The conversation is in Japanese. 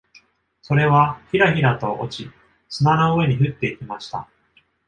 それはひらひらと落ち、砂の上に降っていました。